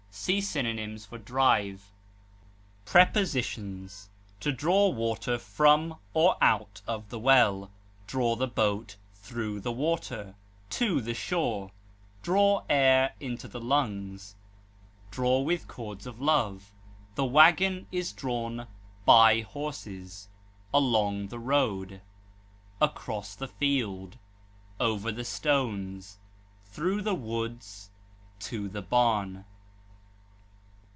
See synonyms for DRIVE. Prepositions: To draw water from or out of the well; draw the boat through the water, to the shore; draw air into the lungs; draw with cords of love; the wagon is drawn by horses, along the road, across the field, over the stones, through the woods, to the barn.